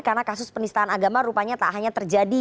karena kasus penistaan agama rupanya tak hanya terjadi